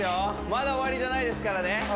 まだ終わりじゃないですからね